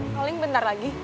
mungkin bentar lagi